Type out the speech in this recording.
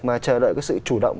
mà chờ đợi cái sự chủ động